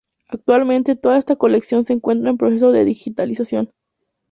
Actualmente toda esta colección se encuentra en proceso de digitalización.